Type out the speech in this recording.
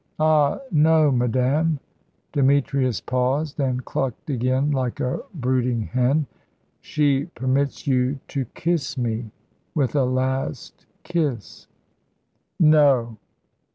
Ah, no, madame." Demetrius paused and clucked again like a brooding hen. "She permits you to kiss me with a last kiss." "No!"